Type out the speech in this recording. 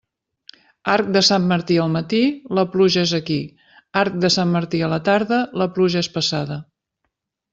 Arc de Sant Martí al matí, la pluja és aquí; arc de Sant Martí a la tarda, la pluja és passada.